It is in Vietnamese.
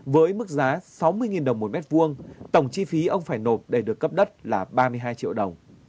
với mức giá sáu mươi đồng một mét vuông tổng chi phí ông phải nộp để được cấp đất là ba mươi hai triệu đồng